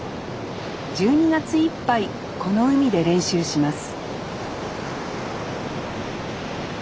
１２月いっぱいこの海で練習します